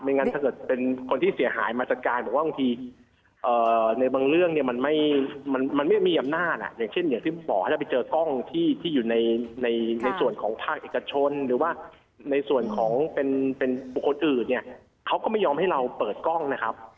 งั้นถ้าเกิดเป็นคนที่เสียหายมาจัดการบอกว่าบางทีในบางเรื่องเนี่ยมันไม่มีอำนาจอย่างเช่นอย่างที่บอกถ้าไปเจอกล้องที่อยู่ในส่วนของภาคเอกชนหรือว่าในส่วนของเป็นบุคคลอื่นเนี่ยเขาก็ไม่ยอมให้เราเปิดกล้องนะครับ